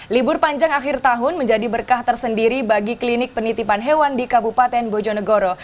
libur panjang akhir tahun menjadi berkah tersendiri bagi klinik penitipan hewan di kabupaten bojonegoro